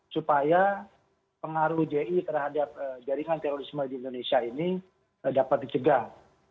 supaya pengaruh ji terhadap jaringan terorisme di indonesia ini dapat dicegah